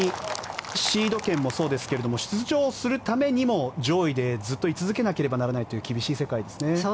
シード権もそうですけども出場するためにも上位でずっと居続けなければならないというそうですね。